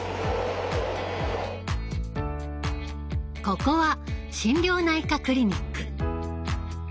ここは心療内科クリニック。